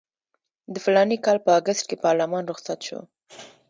د فلاني کال په اګست کې پارلمان رخصت شو.